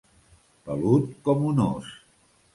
Pelut com un ós.